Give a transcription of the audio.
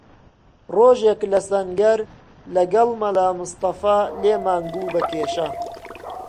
ڕۆژێک لە سەنگەر لەگەڵ مەلا مستەفا لێمان بوو بە کێشە